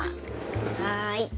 はい。